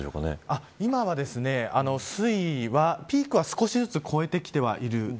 今は水位はピークは少しずつ超えてきてはいる。